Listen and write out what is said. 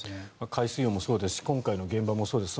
海水温もそうですし今回の現場もそうです。